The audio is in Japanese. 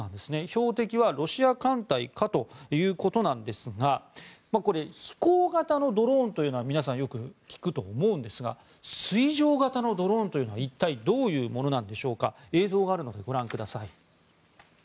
標的はロシア艦隊かということなんですがこれ、飛行型のドローンというのは皆さんよく聞くと思うんですが水上型のドローンというのは一体どういうものなんでしょうか映像があるのでご覧ください。